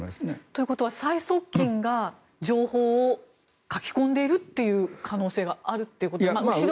ということは最側近が情報を書き込んでいるという可能性があるということですか。